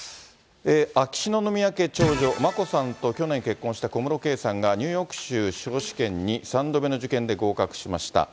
秋篠宮家長女、眞子さんと去年結婚した小室圭さんが、ニューヨーク州司法試験に３度目の受験で、合格しました。